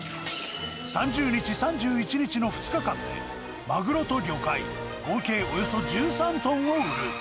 ３０日、３１日の２日間で、マグロと魚介、合計およそ１３トンを売る。